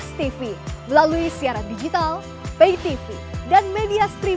saya kira tidak seperti itu seharusnya